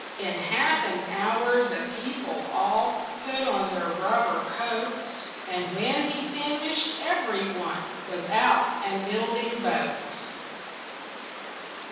In half an hour the people all Put on their rubber coats, And when he finished everyone Was out and building boats.